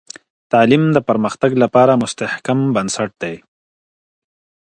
تعلیم د پرمختګ لپاره مستحکم بنسټ دی.